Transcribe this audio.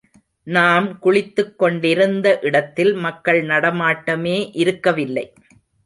நாம் குளித்துக் கொண்டிருந்த இடத்தில் மக்கள் நடமாட்டமே இருக்கவில்லை.